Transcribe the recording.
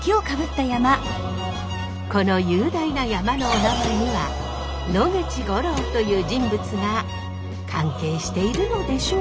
この雄大な山のお名前には野口五郎という人物が関係しているのでしょうか？